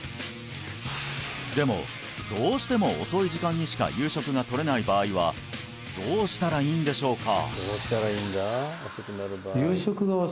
どうしても遅い時間にしか夕食がとれない場合はどうしたらいいんでしょうか？